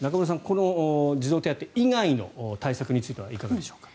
この児童手当以外の対策についてはいかがでしょうか。